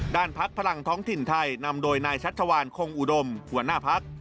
พักพลังท้องถิ่นไทยนำโดยนายชัชวานคงอุดมหัวหน้าพัก